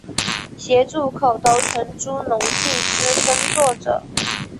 协助口头承租农地之耕作者